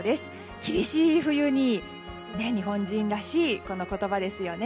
厳しい冬に日本人らしい言葉ですよね。